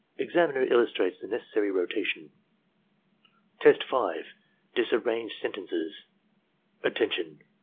(Examiner illustrates the necessary rota tion.) Test 6. — ^Disarranged Sentences "Attention!